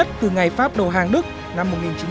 từ ngày pháp đầu hàng đức năm một nghìn chín trăm bốn mươi